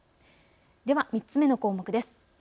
では３つ目の項目です。